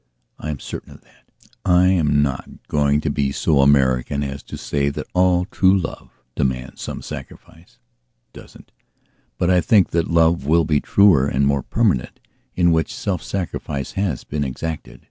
I am certain of that. I am not going to be so American as to say that all true love demands some sacrifice. It doesn't. But I think that love will be truer and more permanent in which self sacrifice has been exacted.